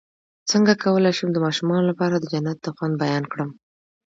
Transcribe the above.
څنګه کولی شم د ماشومانو لپاره د جنت د خوند بیان کړم